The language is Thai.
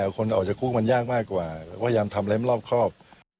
คนออกจากคุกมันยากมากกว่าพยายามทำอะไรมันรอบครอบ